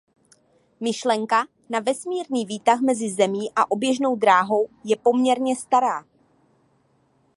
Myšlenka na vesmírný výtah mezi Zemí a oběžnou drahou je poměrně stará.